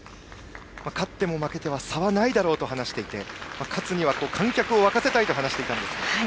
勝っても負けても差はないだろうと話していて勝つには、観客を沸かせたいと話していましたが。